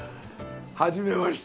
はじめまして。